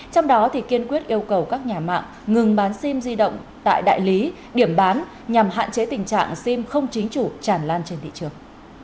trong đó kiên quyết yêu cầu các nhà mạng ngừng bán sim di động tại đại lý điểm bán nhằm hạn chế tình trạng sim không chính chủ tràn lan trên thị trường